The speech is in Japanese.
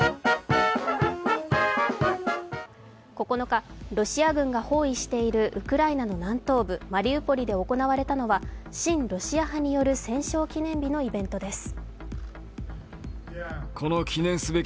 ９日、ロシア軍が包囲しているウクライナの南東部マリウポリで行われたのは親ロシア派による戦勝記念日のイベントです。